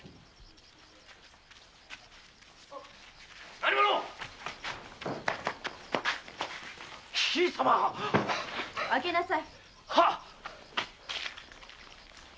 何者だ姫様開けなさい。